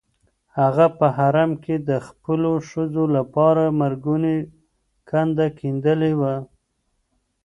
هغه په حرم کې د خپلو ښځو لپاره مرګونې کنده کیندلې وه.